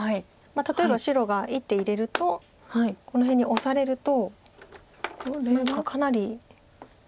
例えば白が１手入れるとこの辺にオサれるとかなりこうやって。